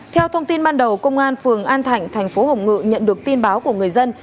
theo thông tin ban đầu công an phường an thạnh thành phố hồng ngự nhận được tin báo của người dân